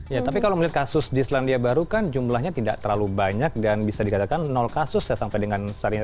ya tapi kalau melihat kasus di selandia baru kan jumlahnya tidak terlalu banyak dan bisa dikatakan kasus ya sampai dengan saat ini